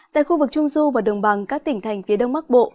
tại khu vực trung du và đồng bằng các tỉnh thành phía đông bắc bộ